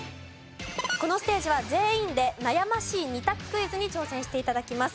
このステージは全員で悩ましい２択クイズに挑戦して頂きます。